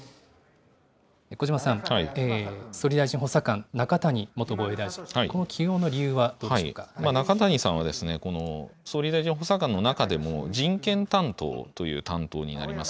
小嶋さん、総理大臣補佐官、中谷元防衛大臣、この起用の理由はど中谷さんは総理大臣補佐官の中でも、人権担当という担当になります。